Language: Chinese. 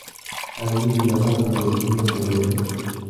在伊犁的霍城也进入果园。